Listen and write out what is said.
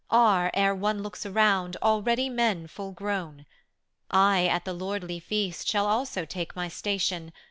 Are, ere one looks around, already men full grown. I at the lordly feast shall also take my station.